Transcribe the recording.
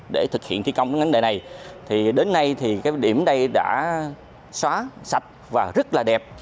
để thực hiện thi công cái vấn đề này thì đến nay thì cái điểm đây đã xóa sạch và rất là đẹp